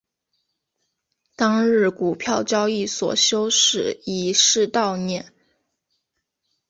当日股票交易所休市以示悼念。